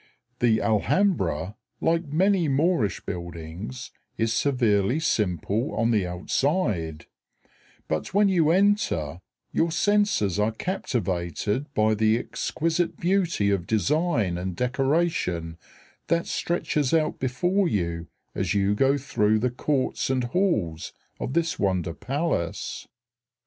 The Alhambra, like many Moorish buildings, is severely simple on the outside; but when you enter your senses are captivated by the exquisite beauty of design and decoration that stretches out before you as you go through the courts and halls of this wonder palace.